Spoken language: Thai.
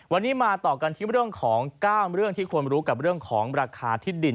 วันนี้มาต่อกันที่เรื่องของ๙เรื่องที่ควรรู้กับเรื่องของราคาที่ดิน